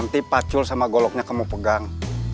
nanti pacul sama goloknya kamu pegang